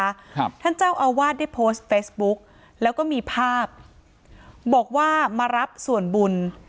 ครับท่านเจ้าอาวาสได้โพสต์เฟซบุ๊กแล้วก็มีภาพบอกว่ามารับส่วนบุญ